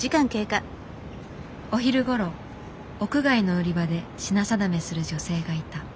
お昼ごろ屋外の売り場で品定めする女性がいた。